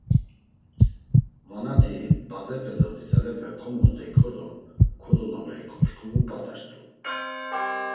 Vanati badepe do didalepe komoxteyǩo do kodololeyǩo şǩu mu p̌atert̆u?